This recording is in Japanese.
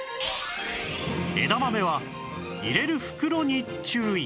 枝豆は入れる袋に注意！